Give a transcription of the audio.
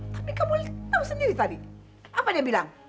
tapi kamu tahu sendiri tadi apa dia bilang